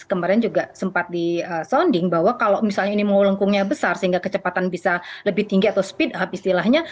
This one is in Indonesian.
kemarin juga sempat disonding bahwa kalau misalnya ini mau lengkungnya besar sehingga kecepatan bisa lebih tinggi atau speed up istilahnya